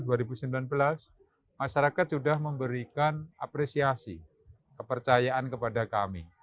dan tahun dua ribu delapan belas masyarakat sudah memberikan apresiasi kepercayaan kepada kami